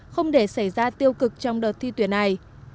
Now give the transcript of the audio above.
không để xảy ra tiêu cực trong đợt thi tuyển này